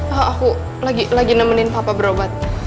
oh aku lagi nemenin papa berobat